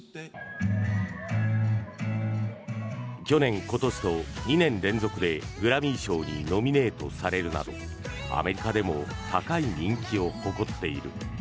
去年、今年と２年連続でグラミー賞にノミネートされるなどアメリカでも高い人気を誇っている。